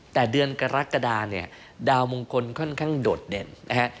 แต่เดือนกรกฎาเนี่ยดาวมงคลค่อนข้างโดดเด่นนะฮะ